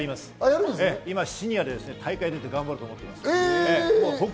今、シニアの大会に出て、頑張ろうと思っています。